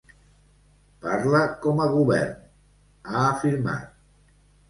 “Parla com a govern”, ha afirmat.